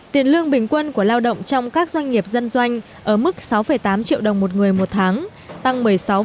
tiền lương bình quân của lao động trong các doanh nghiệp dân doanh ở mức sáu tám triệu đồng một người một tháng tăng một mươi sáu